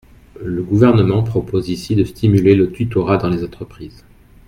Le Gouvernement propose ici de stimuler le tutorat dans les entreprises.